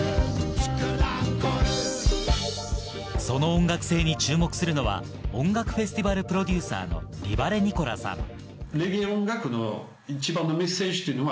その音楽性に注目するのは音楽フェスティバルプロデューサーのリバレ・ニコラさん。